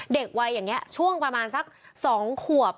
เด็กวัยอย่างนี้ช่วงประมาณสัก๒ขวบ